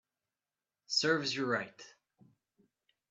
Serves you right